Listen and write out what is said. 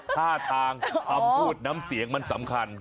ท่าทางคำพูดน้ำเสียงมันสำคัญ